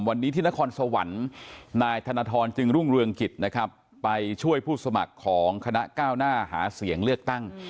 วันนี้ที่นครสวรรค์นายธนทรจึงรุ่งเรืองกิจนะครับไปช่วยผู้สมัครของคณะก้าวหน้าหาเสียงเลือกตั้ง